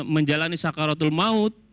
menjalani sakaratul maut